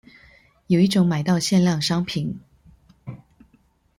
有一種買到限量商品